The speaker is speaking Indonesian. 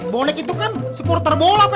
bonek itu kan supporter bola pak